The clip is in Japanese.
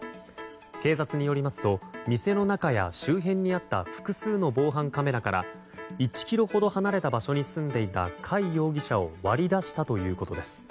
警察によりますと店の中や周辺にあった複数の防犯カメラから１ｋｍほど離れた場所に住んでいた甲斐容疑者を割り出したということです。